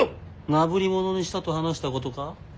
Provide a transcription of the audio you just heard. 「なぶりものにした」と話したことか？